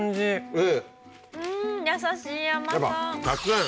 うん優しい甘さ。